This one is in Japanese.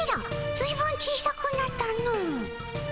ずいぶん小さくなったの。